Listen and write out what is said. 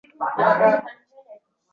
prezident gapirganidan keyin ro‘y beradi.